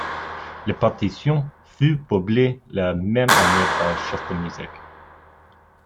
La partition fut publiée la même année par Chester Music.